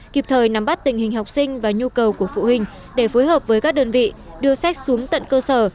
kịp thời nắm bắt tình hình học sinh và nhu cầu của phụ huynh để phối hợp với các đơn vị đưa sách xuống tận cơ sở